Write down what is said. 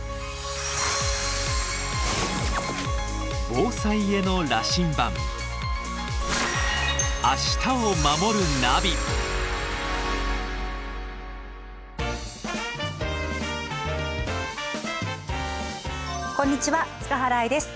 防災への羅針盤こんにちは塚原愛です。